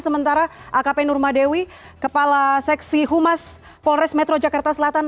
sementara akp nurmadewi kepala seksi humas polres metro jakarta selatan